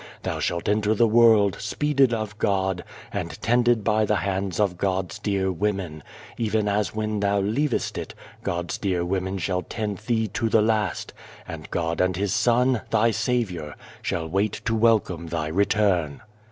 Thou shalt enter the world, speeded of God, and tended by the hands of God's dear women, even as when thou leavest it, God's dear women shall tend 251 A World Without a Child thee to the last, and God and His Son, thy Saviour, shall wait to welcome thy return.